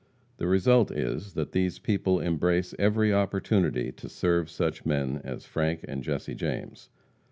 The result is, that these people embrace every opportunity to serve such men as Frank and Jesse James.